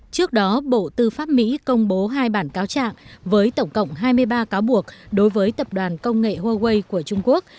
trước đó bộ tư pháp mỹ công bố hai bản cáo trạng với tổng cộng hai mươi ba cáo buộc đối với tập đoàn công nghệ huawei của trung quốc